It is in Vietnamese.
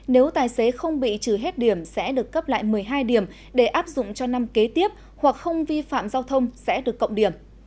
nếu tài xế không bị trừ hết điểm sẽ được cấp lại một mươi hai điểm để áp dụng cho năm kế tiếp hoặc không vi phạm giao thông sẽ được cộng điểm